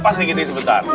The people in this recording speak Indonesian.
pak sri kiti sebentar